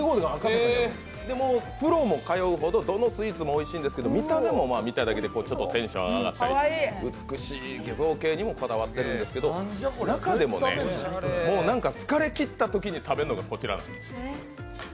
プロも通うほど、どのスイーツもおいしいんですけど、見た目も、見ただけでちょっとテンション上って、美しい造形にもこだわっているんですけど中でも、疲れ切ったときに食べるのがこちらなんですよ。